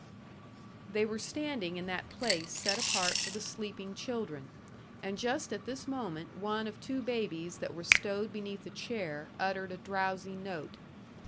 They were standing in that place set apart for the sleeping children; and just at this moment one of two babies that were stowed beneath a chair uttered a drowsy note.